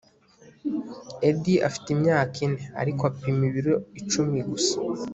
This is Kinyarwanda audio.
edi afite imyaka ine, ariko apima ibiro icumi gusa